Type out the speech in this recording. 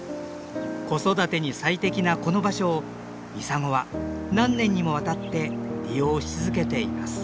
子育てに最適なこの場所をミサゴは何年にもわたって利用し続けています。